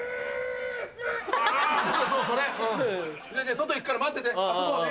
外行くから待ってて遊ぼうね。